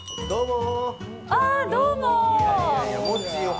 どうもー。